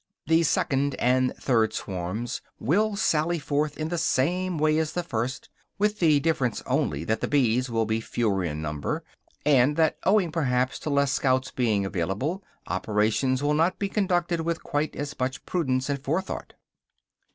The second and third swarms will sally forth in the same way as the first, with the difference only that the bees will be fewer in number, and that, owing perhaps to less scouts being available, operations will not be conducted with quite as much prudence and forethought.